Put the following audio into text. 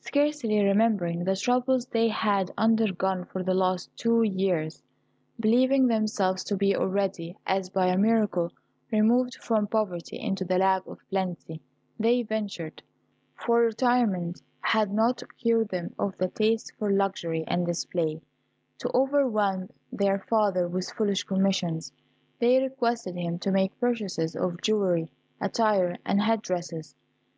Scarcely remembering the troubles they had undergone for the last two years, believing themselves to be already, as by a miracle, removed from poverty into the lap of plenty, they ventured (for retirement had not cured them of the taste for luxury and display) to overwhelm their father with foolish commissions. They requested him to make purchases of jewelry, attire, and head dresses.